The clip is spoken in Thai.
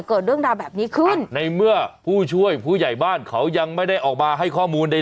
เกิดเรื่องราวแบบนี้ขึ้นในเมื่อผู้ช่วยผู้ใหญ่บ้านเขายังไม่ได้ออกมาให้ข้อมูลใด